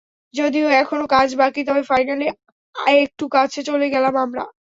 যদিও এখনো কাজ বাকি, তবে ফাইনালের একটু কাছে চলে গেলাম আমরা।